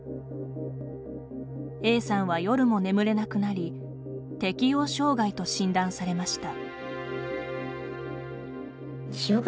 Ａさんは夜も眠れなくなり適応障害と診断されました。